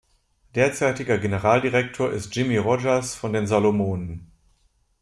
Derzeitiger Generaldirektor ist Jimmie Rogers von den Salomonen.